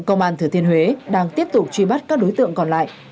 công an thừa thiên huế đang tiếp tục truy bắt các đối tượng còn lại